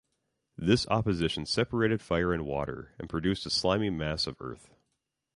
This opposition separated fire and water, and produced a slimy mass of earth.